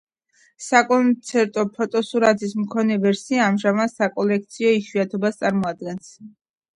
საკონცერტო ფოტოსურათის მქონე ვერსია ამჟამად საკოლექციო იშვიათობას წარმოადგენს.